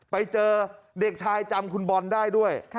ไปเจอเด็กชายจำคุณบอลได้ด้วย